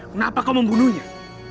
kenapa kau membunuhnya